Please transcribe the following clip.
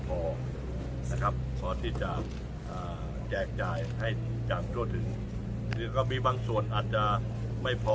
เพราะที่จะแจกจ่ายให้จากทั่วถึงหรือก็มีบางส่วนอาจจะไม่พอ